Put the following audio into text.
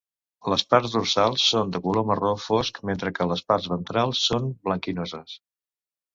Les parts dorsals són de color marró fosc, mentre que les parts ventrals són blanquinoses.